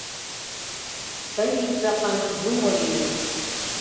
— Тый ик жаплан юмо лийыч...